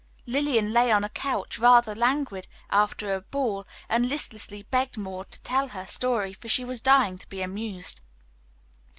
Lillian lay on a couch, rather languid after a ball, and listlessly begged Maud to tell her story, for she was dying to be amused.